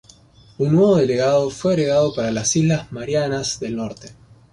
Un nuevo delegado fue agregado para las Islas Marianas del Norte.